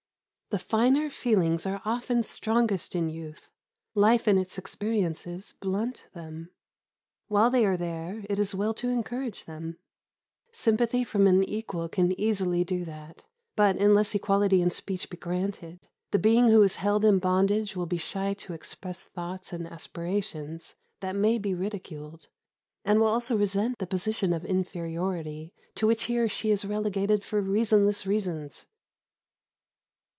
The finer feelings are often strongest in youth; life and its experiences blunt them. While they are there, it is well to encourage them. Sympathy from an equal can easily do that; but, unless equality in speech be granted, the being who is held in bondage will be shy to express thoughts and aspirations that may be ridiculed, and will also resent the position of inferiority to which he or she is relegated for reasonless reasons.